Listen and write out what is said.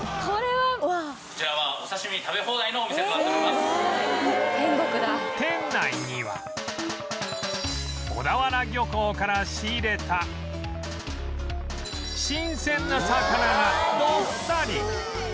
こちらは店内には小田原漁港から仕入れた新鮮な魚がどっさり！